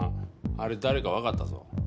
あれ誰かわかったぞ。